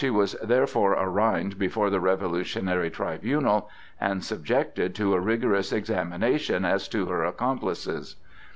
She was therefore arraigned before the Revolutionary Tribunal and subjected to a rigorous examination as to her accomplices.